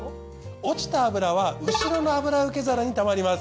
落ちた油は後ろの油受け皿にたまります。